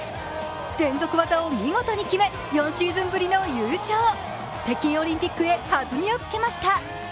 連続技を見事に決め、４シーズンぶりの優勝北京オリンピックへはずみをつけました。